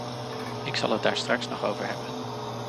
Ik zal het daar straks nog over hebben.